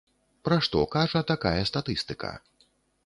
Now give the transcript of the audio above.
Пра што кажа такая статыстыка?